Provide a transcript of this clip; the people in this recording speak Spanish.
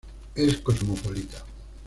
Es cosmopolita.